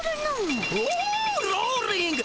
おおローリング！